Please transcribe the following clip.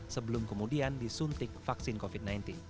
sebelum kemudian disuntik vaksin covid sembilan belas